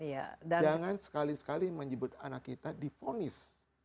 jangan sekali sekali menyebut anak kita difonis